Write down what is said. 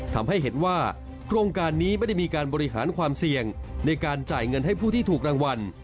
ทำให้เห็นว่าโครงการนี้ไม่ได้มีการบริหารความเสี่ยงในการจ่ายเงินให้ผู้ที่ถูกรางวัล